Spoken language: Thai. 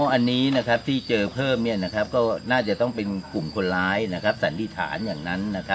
อันนี้ที่เจอเพิ่มก็น่าจะต้องเป็นกลุ่มคนร้ายสันนิษฐานอย่างนั้น